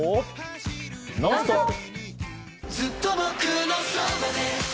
「ノンストップ！」。